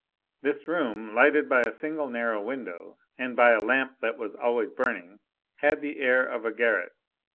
This room, lighted by a single narrow window, and by a lamp that was always burning, had the air of a garret.